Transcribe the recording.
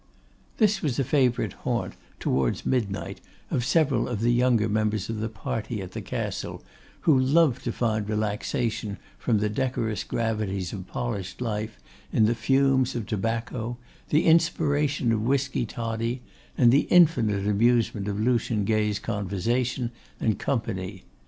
This was a favourite haunt, towards midnight, of several of the younger members of the party at the Castle, who loved to find relaxation from the decorous gravities of polished life in the fumes of tobacco, the inspiration of whiskey toddy, and the infinite amusement of Lucian Gay's conversation and company.